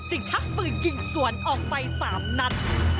จึงทักฝืนยิงสวนออกไป๓นัด